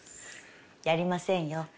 やりませんよ。